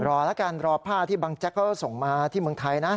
รอแล้วกันรอผ้าที่บังแจ๊กเขาส่งมาที่เมืองไทยนะ